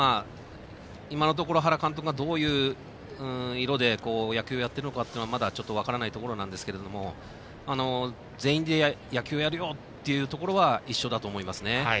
今のところ原監督がどういう色で野球をやっているのかまだ分からないところですが全員で野球をやるよというところは一緒だと思いますね。